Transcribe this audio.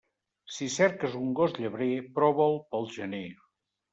Si cerques un gos llebrer, prova'l pel gener.